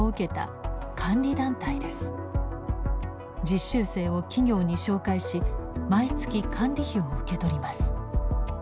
実習生を企業に紹介し毎月監理費を受け取ります。